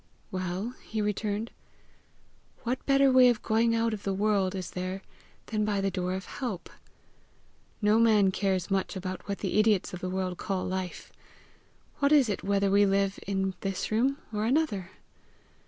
"Well," he returned, "what better way of going out of the world is there than by the door of help? No man cares much about what the idiots of the world call life! What is it whether we live in this room or another?